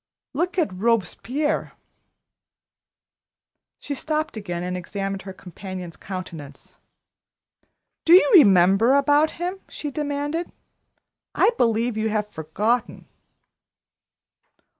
Look at Robespierre " She stopped again and examined her companion's countenance. "Do you remember about him?" she demanded. "I believe you've forgotten."